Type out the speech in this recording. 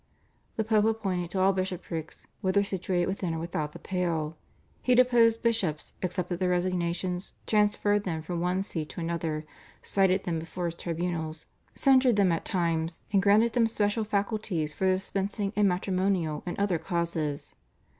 The Pope appointed to all bishoprics whether situated within or without the Pale; he deposed bishops, accepted their resignations, transferred them from one See to another, cited them before his tribunals, censured them at times, and granted them special faculties for dispensing in matrimonial and other causes.